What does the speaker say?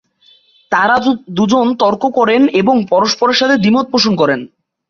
তারা দু’জন তর্ক করেন এবং পরস্পরের সাথে দ্বিমত পোষণ করেন।